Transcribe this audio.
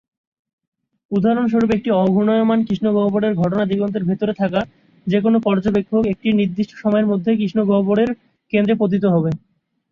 উদাহরণস্বরূপ, একটি অ-ঘূর্ণায়মান কৃষ্ণগহ্বরের ঘটনা দিগন্তের ভেতরে থাকা যেকোন পর্যবেক্ষক একটি নির্দিষ্ট সময়ের মধ্যে কৃষ্ণগহ্বরের কেন্দ্রে পতিত হবে।